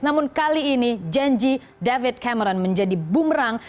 namun kali ini janji david cameron menjadi bumerang